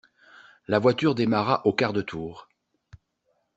La voiture démarra au quart de tour.